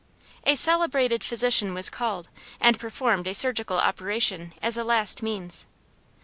A celebrated physician was called, and performed a surgical operation, as a last means.